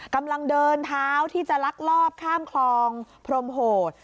กำลังเดินเท้าที่จะลักลอบข้ามคลองพรมโหด